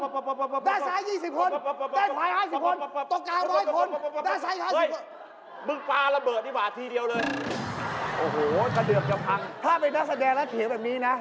ถ้าเป็นนักแสดงรัฐเขียงแบบนี้นะ